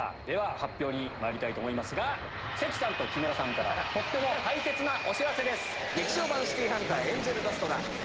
発表にまいりたいと思いますが関さんと木村さんからとっても大切なお知らせです。